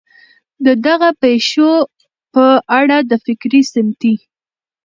د دغه پېښو په اړه د فکري ، سمتي